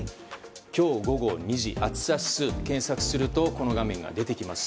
今日午後２時暑さ指数と検索するとこの画面が出てきます。